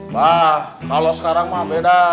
nah kalau sekarang pak beda